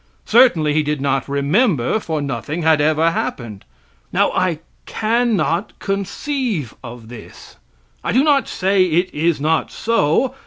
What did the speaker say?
Certainly he did not remember, for nothing had ever happened. Now I cannot conceive of this! I do not say it is not so.